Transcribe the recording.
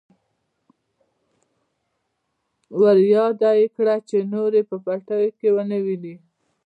ورياده يې کړه چې نور يې په پټيو کې ونه ويني.